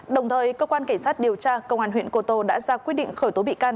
đồng thời cơ quan cảnh sát điều tra công an huyện cô tô đã ra quyết định khởi tố bị can